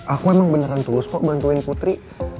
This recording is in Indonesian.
aku emang beneran tulus kok bantuin putri